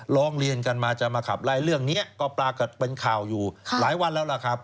ร้องเรียนกันมาจะมาขับไล่เรื่องนี้ก็ปรากฏเป็นข่าวอยู่หลายวันแล้วล่ะครับ